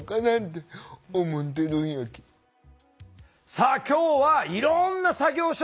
さあ今日はいろんな作業所